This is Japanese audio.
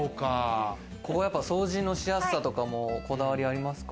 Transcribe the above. やっぱり掃除のしやすさとかもこだわりありますか？